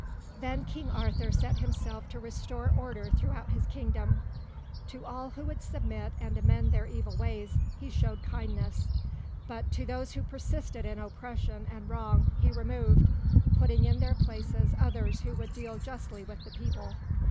Then King Arthur set himself to restore order throughout his kingdom. To all who would submit and amend their evil ways, he showed kindness; but those who persisted in oppression and wrong he removed, putting in their places others who would deal justly with the people.